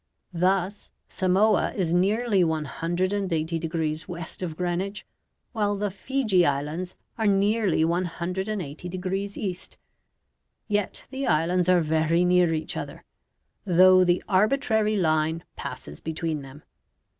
Thus Samoa is nearly 180 degrees west of Greenwich, while the Fiji Islands are nearly 180 degrees east. Yet the islands are very near each other, though the arbitrary line passes between them.